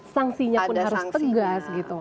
sanksinya pun harus tegas gitu